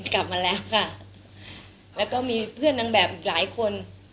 กลับมาแล้วค่ะแล้วก็มีเพื่อนนางแบบอีกหลายคน